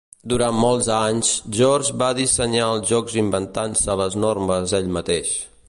Durant molts anys, George va dissenyar els jocs inventant-se les normes ell mateix.